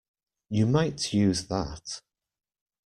You might use that.